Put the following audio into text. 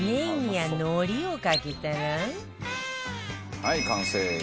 はい完成。